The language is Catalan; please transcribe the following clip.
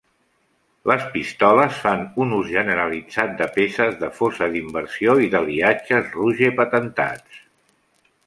Les pistoles fan un ús generalitzat de peces de fosa d'inversió i d'aliatges Ruger patentats.